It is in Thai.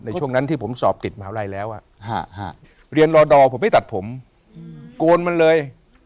ในช่วงนั้นที่ผมสอบติดมาอะไรแล้วเรียนรอดอผมไม่ตัดผมโกนมันเลย